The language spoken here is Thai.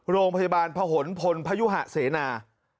โรงพยาบาลพหนพลพยุหะเสนา